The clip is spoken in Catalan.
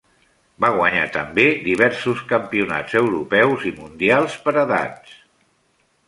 Va guanyar també diversos campionats europeus i mundials per edats.